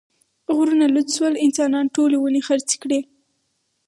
غرونه لوڅ شول، انسانانو ټولې ونې خرڅې کړې.